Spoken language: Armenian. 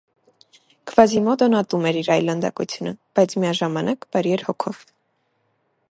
Քվազիմոդոն ատում էր իր այլանդակությունը, բայց միաժամանակ բարի էր հոգով։